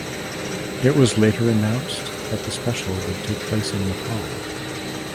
It was later announced that the special would take place in Nepal.